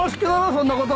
そんなこと！